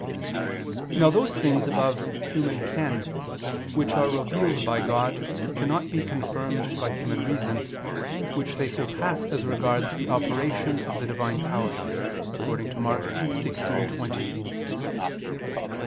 Now those things above human ken which are revealed by God cannot be confirmed by human reason, which they surpass as regards the operation of the Divine power, according to Mk. 16:20, "They